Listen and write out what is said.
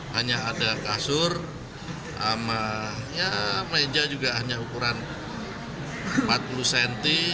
hanya ada kasur meja juga hanya ukuran empat puluh cm